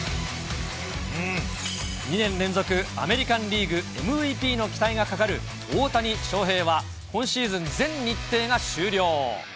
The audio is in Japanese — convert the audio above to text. ２年連続アメリカンリーグＭＶＰの期待がかかる大谷翔平は、今シーズン全日程が終了。